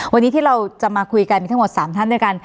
วันนี้ที่เราจะมาคุยกันมีทั้งหมด๓ท่านด้วยกัน